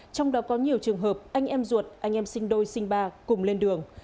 trong đó có nhiều trường hợp anh em ruột anh em sinh đôi sinh ba cùng lên đường